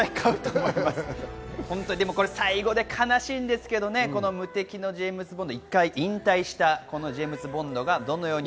最後で悲しいんですけど、無敵のジェームズ・ボンド、１回引退したジェームズ・ボンドがどのように。